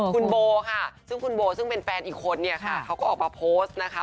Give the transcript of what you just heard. คุณโบค่ะซึ่งคุณโบซึ่งเป็นแฟนอีกคนเนี่ยค่ะเขาก็ออกมาโพสต์นะคะ